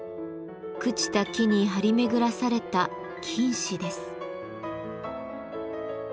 朽ちた木に張り巡らされた菌糸です。